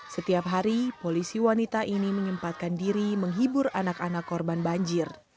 setiap hari polisi wanita ini menyempatkan diri menghibur anak anak korban banjir